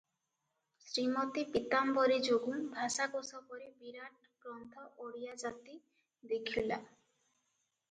ଶ୍ରୀମତୀ ପୀତାମ୍ବରୀ ଯୋଗୁଁ ଭାଷାକୋଷ ପରି ବିରାଟ ଗ୍ରନ୍ଥ ଓଡ଼ିଆ ଜାତି ଦେଖୂଲା ।